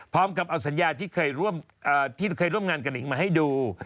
พร้อมกับเอาสัญญาที่เคยร่วมงานกับนิงมาให้ดู